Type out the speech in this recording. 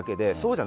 じゃ